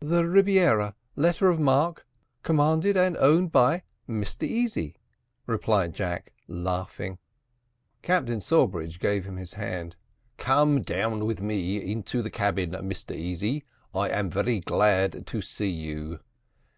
"The Rebiera, letter of marque, commanded and owned by Mr Easy," replied Jack, laughing. Captain Sawbridge gave him his hand. "Come down with me in the cabin, Mr Easy; I am very glad to see you.